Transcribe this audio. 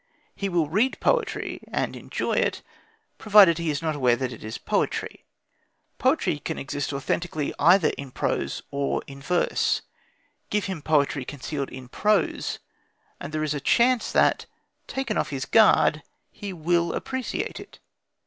He will read poetry and enjoy it, provided he is not aware that it is poetry. Poetry can exist authentically either in prose or in verse. Give him poetry concealed in prose and there is a chance that, taken off his guard, he will appreciate it.